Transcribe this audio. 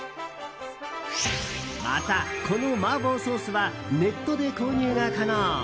また、この麻婆ソースはネットで購入が可能。